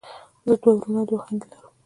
زه دوه وروڼه او دوه خویندی لرم.